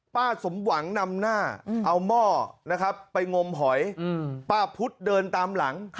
ป้าสมหวังนำหน้าเอาหม้อนะครับไปงมหอยป้าพุทธเดินตามหลัง